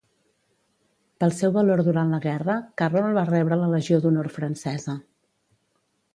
Pel seu valor durant la guerra, Carroll va rebre la Legió d'Honor francesa.